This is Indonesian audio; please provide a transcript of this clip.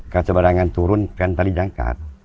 kalau sebarangan turun kan tadi jangkar